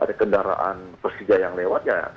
ada kendaraan persija yang lewat ya